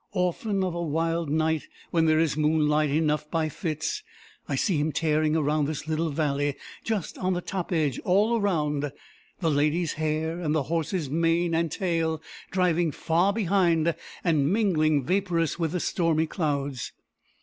Often, of a wild night, when there is moonlight enough by fits, I see him tearing around this little valley, just on the top edge all round; the lady's hair and the horses mane and tail driving far behind, and mingling, vaporous, with the stormy clouds.